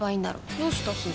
どうしたすず？